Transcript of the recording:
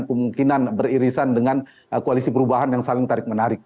kemungkinan beririsan dengan koalisi perubahan yang saling tarik menarik